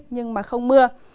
nhưng mà không mưa